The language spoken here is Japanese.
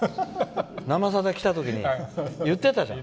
「生さだ」来た時に言ってたじゃん。